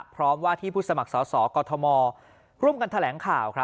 ว่าที่ผู้สมัครสอสอกอทมร่วมกันแถลงข่าว